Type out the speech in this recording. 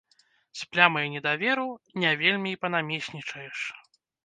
З плямай недаверу не вельмі і панамеснічаеш.